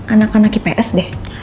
anak dua ips deh